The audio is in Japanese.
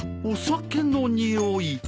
お酒のにおい。